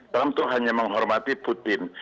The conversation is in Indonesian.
trump itu hanya menghormati putin